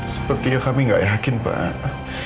sepertinya kami nggak yakin pak